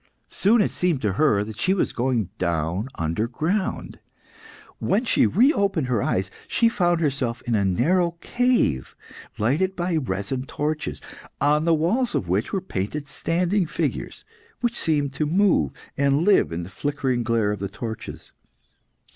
Soon it seemed to her that she was going down under ground. When she reopened her eyes she found herself in a narrow cave, lighted by resin torches, on the walls of which were painted standing figures, which seemed to move and live in the flickering glare of the torches.